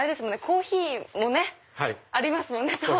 コーヒーもね！ありますもんね。